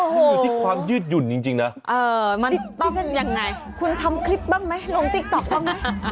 มันอยู่ที่ความยืดหยุ่นจริงนะมันต้องยังไงคุณทำคลิปบ้างไหมลงติ๊กต๊อกบ้างไหม